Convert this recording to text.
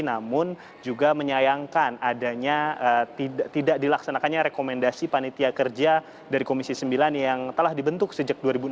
namun juga menyayangkan adanya tidak dilaksanakannya rekomendasi panitia kerja dari komisi sembilan yang telah dibentuk sejak dua ribu dua belas